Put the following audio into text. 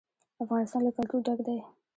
افغانستان له کلتور ډک دی.